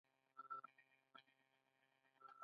د درملو زیات استعمال د خاورې طبعیت خرابوي.